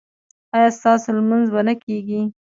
ایا ستاسو لمونځ به نه کیږي؟